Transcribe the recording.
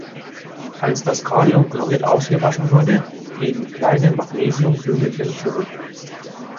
Als das Kaliumchlorid ausgewaschen wurde, blieben kleine Magnesiumkügelchen zurück.